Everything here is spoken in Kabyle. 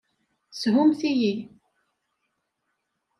Shumt-iyi.